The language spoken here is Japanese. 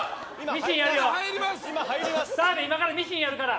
澤部、今からミシンやるから！